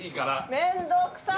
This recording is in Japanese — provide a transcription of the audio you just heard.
面倒くさい！